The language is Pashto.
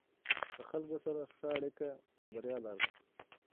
له خلکو سره ښه اړیکې د بریا لاره ده.